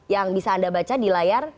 yang bisa anda baca di layar